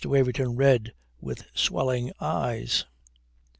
Waverton read with swelling eyes.